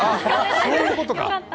そういうことか。